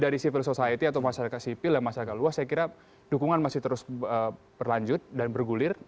dari civil society atau masyarakat sipil dan masyarakat luas saya kira dukungan masih terus berlanjut dan bergulir